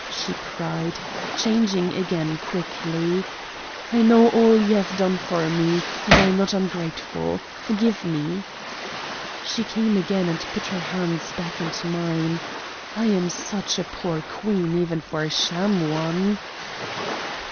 she cried, changing again quickly. "I know all you have done for me, and I am not ungrateful. Forgive me." She came again and put her hands back into mine. "I am such a poor Queen even for a sham one."